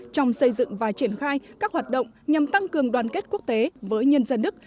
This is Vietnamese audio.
trong xây dựng và triển khai các hoạt động nhằm tăng cường đoàn kết quốc tế với nhân dân đức